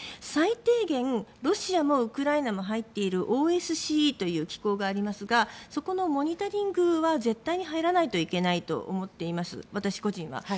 最低限、ロシアもウクライナも入っているＯＳＣＥという機構がありますがそこのモニタリングは絶対に入らないといけないと思っています、私個人は。